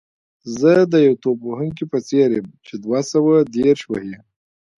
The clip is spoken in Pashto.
زه د یو توپ وهونکي په څېر یم چې دوه سوه دېرش وهي.